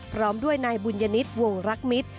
พร้อมด้วยที่บุญญนิสวงศ์แห่งลักษมิตร